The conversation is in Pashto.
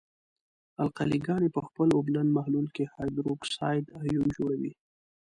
القلې ګاني په خپل اوبلن محلول کې هایدروکساید آیون جوړوي.